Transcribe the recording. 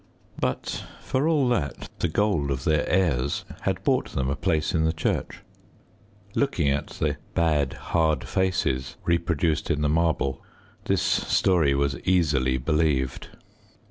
But for all that, the gold of their heirs had bought them a place in the church. Looking at the bad hard faces reproduced in the marble, this story was easily believed.